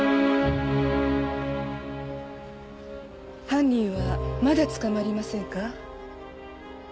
犯人はまだ捕まりませんか？